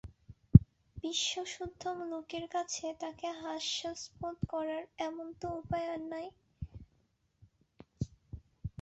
বিশ্বসুদ্ধ লোকের কাছে তাকে হাস্যাস্পদ করবার এমন তো উপায় আর নেই।